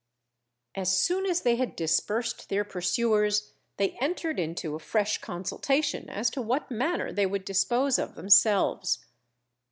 As soon as they had dispersed their pursuers, they entered into a fresh consultation as to what manner they would dispose of themselves.